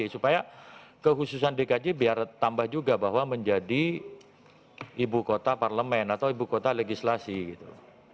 supaya kekhususan dkj biar tambah juga bahwa menjadi ibu kota parlemen atau ibu kota legislasi gitu